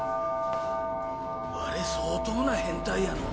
ワレ相当な変態やのう。